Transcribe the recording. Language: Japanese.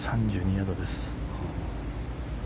３２ヤードです。